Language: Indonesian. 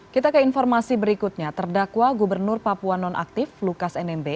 kita ke informasi berikutnya terdakwa gubernur papua nonaktif lukas nmb